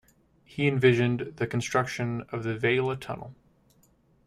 He envisioned the construction of the Vielha tunnel.